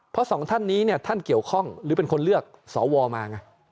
เพราะสองท่านนี้เนี่ยท่านเกี่ยวข้องหรือเป็นคนเลือกสวมาไง